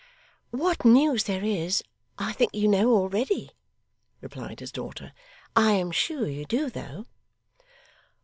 'What news there is, I think you know already,' replied his daughter. 'I am sure you do though.